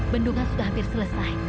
bendungan sudah hampir selesai